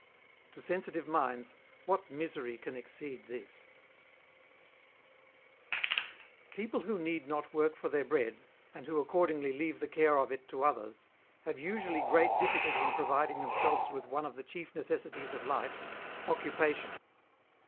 To sensitive minds, what misery can exceed this ?" People who need not work for their bread, and who accordingly leave the care of it to others, have usually great difficulty in providing themselves with one of the chief necessities of life, occupation.